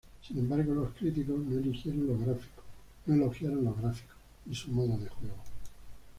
Sin embargo los críticos, no elogiaron los gráficos y su modo de juego.